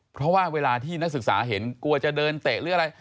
เพราะว่าเวลาที่นักศึกษาเห็นกลัวจะเดินเตะหรืออะไร